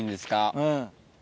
うん。